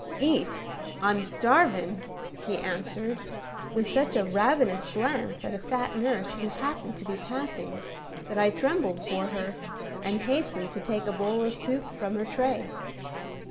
"Eat! I'm starvin'!" he answered, with such a ravenous glance at a fat nurse who happened to be passing, that I trembled for her, and hastened to take a bowl of soup from her tray.